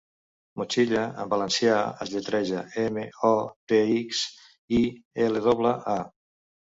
'Motxilla' en valencià es lletreja: eme, o, te, ics, i, ele doble, a.